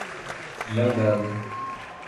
Jangada